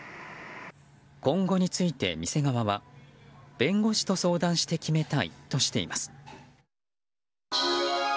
今後について店側は弁護士と相談して決めたいとしています。